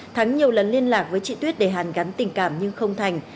thắng nhiều lần liên lạc với chị tuyết để hàn gắn tình cảm nhưng không thành